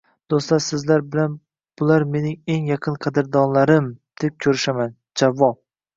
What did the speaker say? Do‘stlar sizlar bilan "bular mening eng yaqin qadrdonlariiiiiim" deb ko‘rishaman, jovvob